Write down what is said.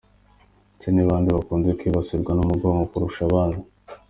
Ese ni bande bakunze kwibasirwa n’umugongo kurusha abandi?.